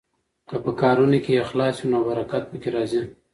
که په کارونو کې اخلاص وي نو برکت پکې راځي.